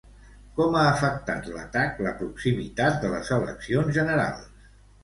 Com ha afectat l'atac la proximitat de les eleccions generals?